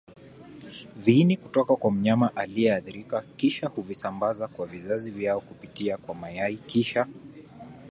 viini kutoka kwa mnyama aliyeathirika Kisha huvisambaza kwa vizazi vyao kupitia kwa mayai Kisha